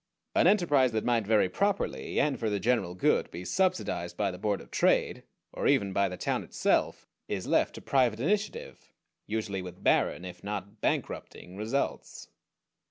An enterprise that might very properly, and for the general good, be subsidized by the Board of Trade, or even by the town itself, is left to private initiative; usually with barren, if not bankrupting, results.